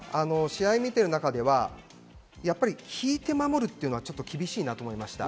試合を見る中では、引いて守るというのはちょっと厳しいなと思いました。